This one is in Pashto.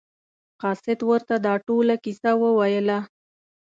قاصد ورته دا ټوله کیسه وویله.